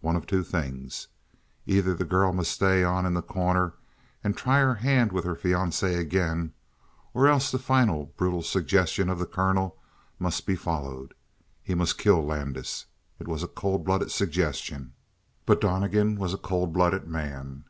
One of two things. Either the girl must stay on in The Corner and try her hand with her fiancé again, or else the final brutal suggestion of the colonel must be followed; he must kill Landis. It was a cold blooded suggestion, but Donnegan was a cold blooded man.